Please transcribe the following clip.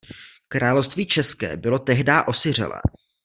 Království české bylo tehdá osiřelé.